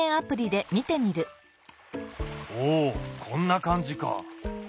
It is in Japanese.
おおこんな感じか！